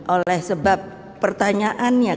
oleh sebab pertanyaannya